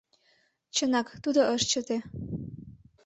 Чынак, тудо ыш чыте.